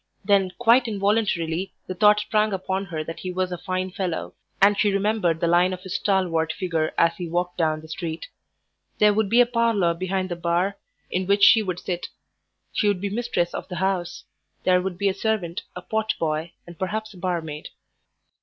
Then quite involuntarily the thought sprang upon her that he was a fine fellow, and she remembered the line of his stalwart figure as he walked down the street. There would be a parlour behind the bar, in which she would sit. She would be mistress of the house. There would be a servant, a potboy, and perhaps a barmaid.